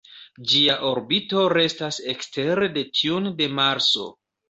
Ĝia orbito restas ekstere de tiun de Marso.